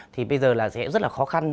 thì bây giờ sẽ rất là khó khăn